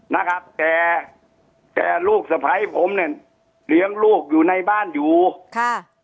นะครับแต่แต่ลูกสะพ้ายผมเนี่ยเลี้ยงลูกอยู่ในบ้านอยู่ค่ะ